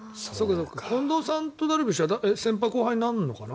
近藤さんとダルビッシュは先輩後輩になるのかな？